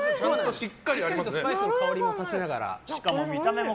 しっかりとスパイスの香りも立ちながら。